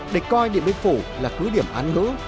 địch coi điện biên phủ là cứ điểm án ngữ